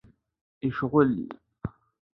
Icɣel?